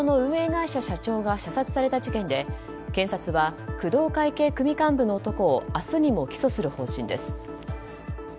会社社長が射殺された事件で検察は工藤会系組幹部の男を明日にも起訴する方針です。